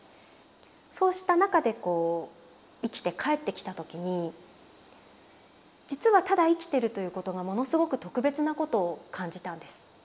そうした中で生きて帰ってきた時に実はただ生きてるということがものすごく特別なことを感じたんです。